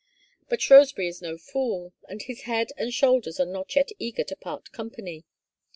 But Shrewsbury is no fool and his head and shoulders are not yet eager to part company.